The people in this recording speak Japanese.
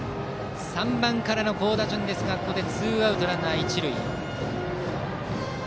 ３番からの好打順ですがツーアウトランナー、一塁。